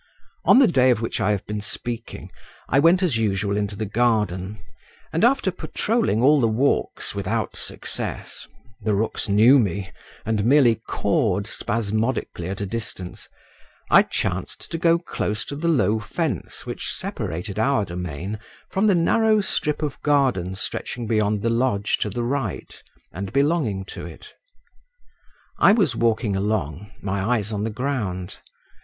On the day of which I have been speaking, I went as usual into the garden, and after patrolling all the walks without success (the rooks knew me, and merely cawed spasmodically at a distance), I chanced to go close to the low fence which separated our domain from the narrow strip of garden stretching beyond the lodge to the right, and belonging to it. I was walking along, my eyes on the ground.